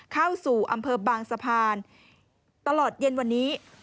เข้าสู่อำเภอบางสะพานตลอดเย็นวันนี้